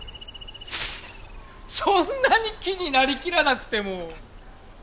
そんなに木になりきらなくても！